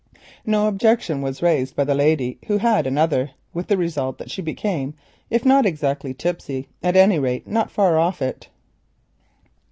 No objection was raised by the lady, who had another, with the result that she became if not exactly tipsy at any rate not far off it.